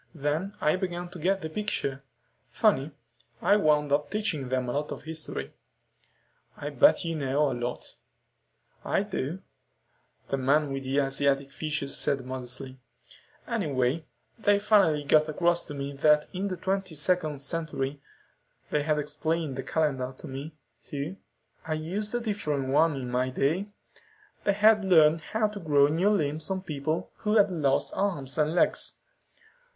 Then I began to get the picture. Funny. I wound up teaching them a lot of history." "I bet you know a lot." "I do," the man with the Asiatic features said modestly. "Anyway, they finally got across to me that in the 22nd century they had explained the calendar to me, too; I used a different one in my day they had learned how to grow new limbs on people who had lost arms and legs."